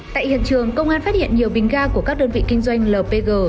tại hiện trường công an phát hiện nhiều bình ga của các đơn vị kinh doanh lpg